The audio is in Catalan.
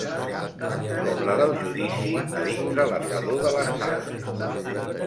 Com la del judici a dintre la fredor de les sales